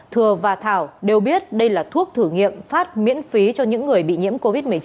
thừa và thảo đều biết đây là thuốc thử nghiệm phát miễn phí cho những người bị nhiễm covid một mươi chín